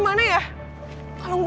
masuk kuliah dulu